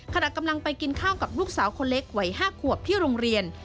ขณะกำลังไปกินข้าวกับลูกสาวคนเล็กวัย๕ขวบที่โรงเรียน